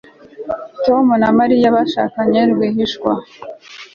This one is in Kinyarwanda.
Tom na Mariya bashakanye rwihishwa